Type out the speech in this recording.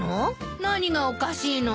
何がおかしいのよ？